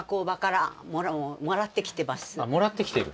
あっもらってきてる。